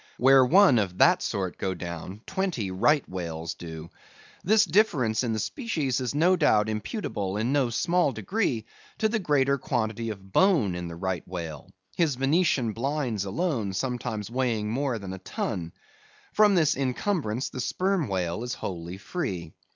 Where one of that sort go down, twenty Right Whales do. This difference in the species is no doubt imputable in no small degree to the greater quantity of bone in the Right Whale; his Venetian blinds alone sometimes weighing more than a ton; from this incumbrance the Sperm Whale is wholly free.